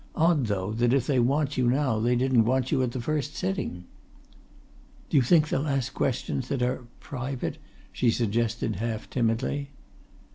"Odd, though, that if they want you now they didn't want you at the first sitting!" "Do you think they'll ask questions that are private?" she suggested half timidly.